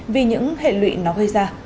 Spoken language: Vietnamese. vì những hệ lụy nó gây ra